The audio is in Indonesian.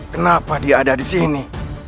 kenapa dia ada disini